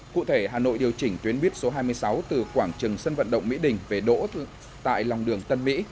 cụ thể hà nội điều chỉnh tuyến buýt số hai mươi sáu từ quảng trường sân vận động mỹ đình về đỗ tại lòng đường tân mỹ